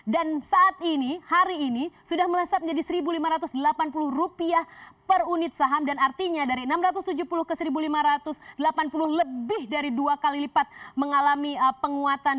dan saat ini hari ini sudah melesat menjadi rp satu lima ratus delapan puluh per unit saham dan artinya dari rp enam ratus tujuh puluh ke rp satu lima ratus delapan puluh lebih dari dua kali lipat mengalami penguatan